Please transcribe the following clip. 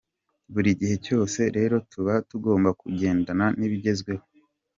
Buri gihe cyose rero tuba tugomba kugendana n’ibigezweho.